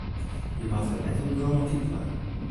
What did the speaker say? Je moatte it net om de romantyk dwaan.